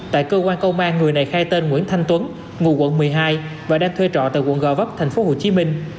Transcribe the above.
tại cơ quan công an người này khai tên nguyễn thanh tuấn ngụ quận một mươi hai và đang thuê trọ tại quận gò vấp thành phố hồ chí minh